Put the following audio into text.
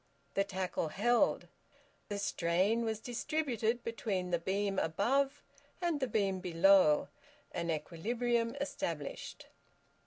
The tackle held. The strain was distributed between the beam above and the beam below, and equilibrium established.